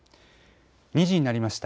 ２時になりました。